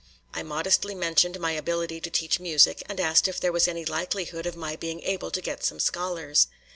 I modestly mentioned my ability to teach music and asked if there was any likelihood of my being able to get some scholars.